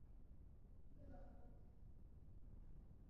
na mazao gani yanaweza kupigiwa upatu na nchi za afrika na mashariki